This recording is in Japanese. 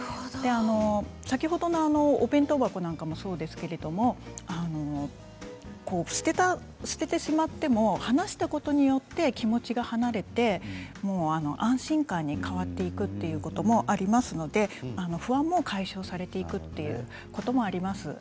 先ほどのお弁当箱もそうですけど捨ててしまったあとに話したことによって気持ちが離れて安心感に変わっていくということもありますので不安も解消されていくということもあります。